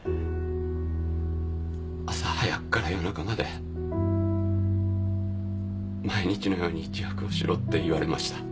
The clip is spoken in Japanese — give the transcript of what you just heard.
朝早くから夜中まで毎日のように自白をしろって言われました。